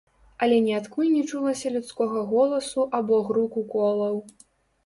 Але ніадкуль не чулася людскога голасу або груку колаў.